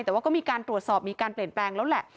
แต่ว่าก็มีการตรวจสอบมีการเปลี่ยนแปลงแล้วแหละ